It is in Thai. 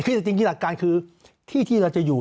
คือจริงหลักการคือที่ที่เราจะอยู่